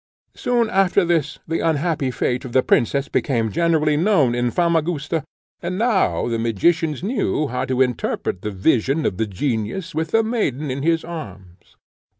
Soon after this the unhappy fate of the princess became generally known in Famagusta, and now the magicians knew how to interpret the vision of the genius with the maiden in his arms.